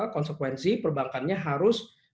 konsekuensi perbankannya harus